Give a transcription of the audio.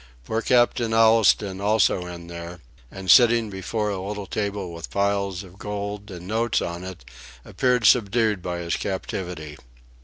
Poor Captain Allistoun also in there, and sitting before a little table with piles of gold and notes on it, appeared subdued by his captivity.